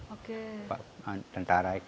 pak tentara itu